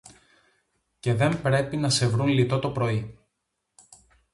Και δεν πρέπει να σε βρουν λυτό το πρωί.